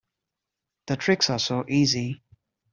The tricks are so easy.